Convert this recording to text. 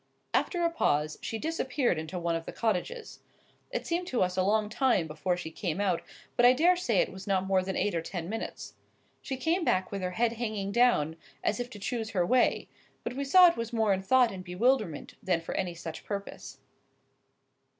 After a pause, she disappeared into one of the cottages. It seemed to us a long time before she came out; but I dare say it was not more than eight or ten minutes. She came back with her head hanging down, as if to choose her way,—but we saw it was more in thought and bewilderment than for any such purpose.